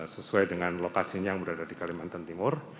sesuai dengan lokasinya yang berada di kalimantan timur